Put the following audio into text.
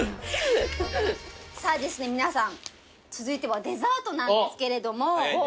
さぁ皆さん続いてはデザートなんですけれども。